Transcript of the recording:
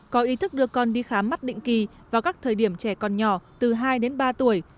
có ý thức đưa con đi khám mắt định kỳ vào các thời điểm trẻ còn nhỏ từ hai đến ba tuổi